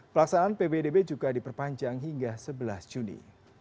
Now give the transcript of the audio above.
pelaksanaan pbdb juga diperpanjang hingga sebelas juni